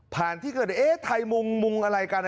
ที่เกิดเอ๊ะไทยมุงมุงอะไรกัน